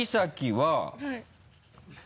はい。